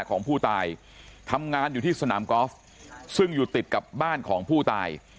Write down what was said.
ของผู้ตายทำงานอยู่ที่สนามกอล์ฟซึ่งอยู่ติดกับบ้านของผู้ตาย